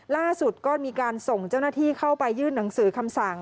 ล่าสุดก็มีการส่งเจ้าหน้าที่เข้าไปยื่นหนังสือคำสั่ง